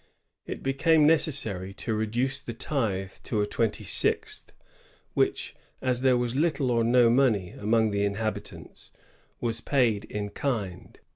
It became necessary to reduce the tithe to a twenty sixth, which, as there was little or no money among the inhabitants, was paid in kind.